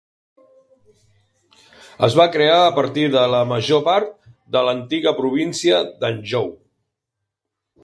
Es va crear a partir de la major part de l'antiga província d'Anjou.